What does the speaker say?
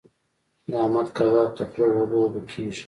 د احمد کباب ته خوله اوبه اوبه کېږي.